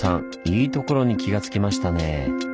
いいところに気が付きましたね。